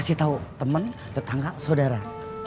kasih tau temen tetangga saudara